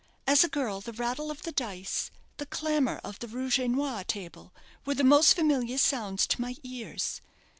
As a girl the rattle of the dice, the clamour of the rouge et noir table were the most familiar sounds to my ears.